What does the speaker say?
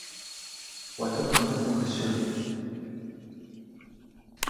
Six of the original twenty artworks are located at Alewife station.